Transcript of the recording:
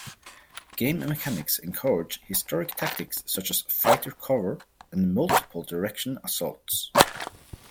Game mechanics encourage historic tactics such as fighter cover and multiple-direction assaults.